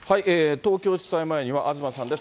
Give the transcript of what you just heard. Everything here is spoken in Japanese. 東京地裁前には東さんです。